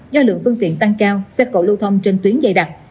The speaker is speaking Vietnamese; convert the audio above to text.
do lượng phương tiện tăng cao xe cộ lưu thông trên tuyến dày đặc